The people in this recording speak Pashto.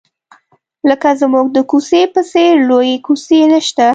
لکه زموږ د کوڅې په څېر لویې کوڅې نشته.